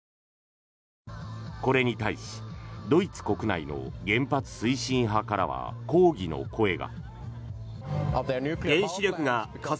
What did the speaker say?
これに対しドイツ国内の原発推進派からは抗議の声が。